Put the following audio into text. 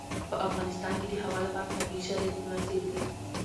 په افغانستان کې د هوا لپاره طبیعي شرایط مناسب دي.